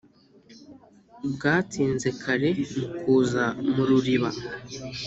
bwatsinze kare mu kuza mu ruriba.